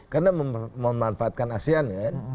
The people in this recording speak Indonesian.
karena memanfaatkan asean